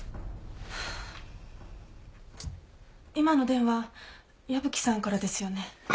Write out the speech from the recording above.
今の電話矢吹さんからですよね？